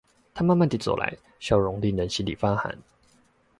它慢慢地走來，笑容令人心裡發寒